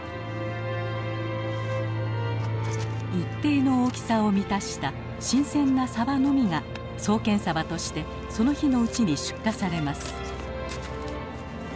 一定の大きさを満たした新鮮なさばのみが双剣としてその日のうちに出荷されます。